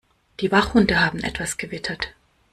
Die Wachhunde haben etwas gewittert.